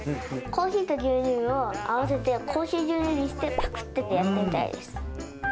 コーヒーと牛乳を合わせて、コーヒー牛乳にして、ぱくってやってみたいです。